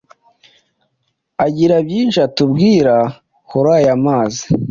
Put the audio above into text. agira byinshi atubwira hurayamazi